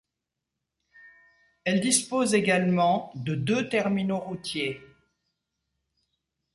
Elle dispose également de deux terminaux routiers.